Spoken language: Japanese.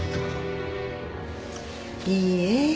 いいえ。